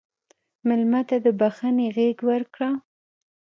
مېلمه ته د بښنې غېږ ورکړه.